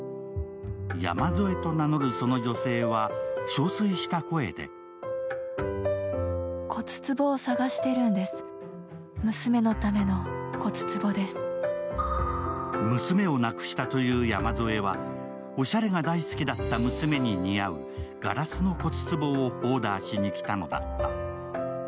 山添と名乗るその女性は、憔悴した声で娘を亡くしたという山添はおしゃれが大好きだった娘に似合うガラスの骨つぼをオーダーしに来たのだった。